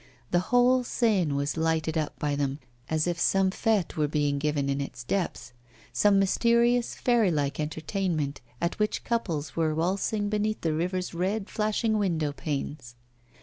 The whole Seine was lighted up by them, as if some fête were being given in its depths some mysterious, fairy like entertainment, at which couples were waltzing beneath the river's red flashing window panes.